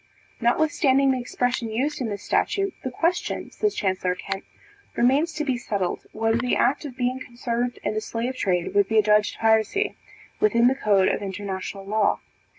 Notwithstanding the expression used in this statute, the question, says Chancellor Kent, remains to be settled, whether the act of being concerned in the slave trade would be adjudged piracy, within the code of international law.